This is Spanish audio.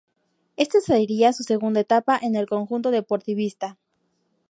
Esta sería su segunda etapa en el conjunto deportivista.